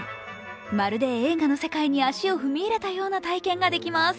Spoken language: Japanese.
まるで映画の世界に足を踏み入れたような体験ができます。